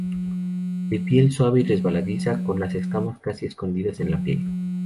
De piel suave y resbaladiza, con las escamas casi escondidas en la piel.